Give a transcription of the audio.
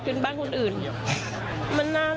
จึงไม่ได้เอดในแม่น้ำ